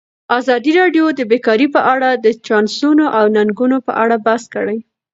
ازادي راډیو د بیکاري په اړه د چانسونو او ننګونو په اړه بحث کړی.